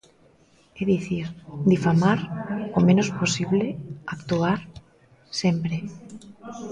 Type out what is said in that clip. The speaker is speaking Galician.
É dicir, difamar, o menos posible; actuar, sempre.